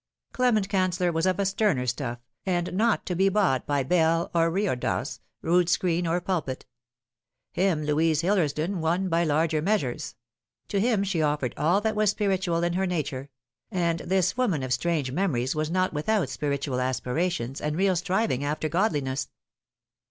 Clement Canceller was of a sterner stuff, and not to be bought by bell or reredos, rood screen or pulpit. Him Louise Hillersdon won by larger measures : to him she offered all that was spiritual in her nature : and this woman of strange memories was not without spiritual aspirations and real striving after godliness.